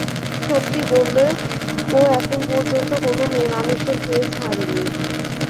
সত্যি বললে, ও এখন পর্যন্ত কোনো মেয়েমানুষের কেস হারেনি।